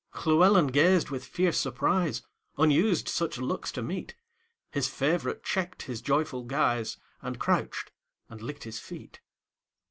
Llewelyn gazed with fierce surprise; Unused such looks to meet, His favorite checked his joyful guise, And crouched and licked his feet.